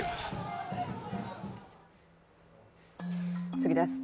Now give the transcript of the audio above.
次です。